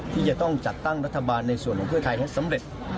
ที่จะต้องจัดตั้งรัฐบาลในส่วนของเพื่อไทยให้สำเร็จ